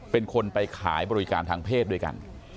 เป็นคนไปขายบริการทางเพศด้วยกัน